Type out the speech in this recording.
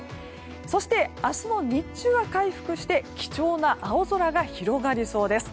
そして、明日の日中は回復して貴重な青空が広がりそうです。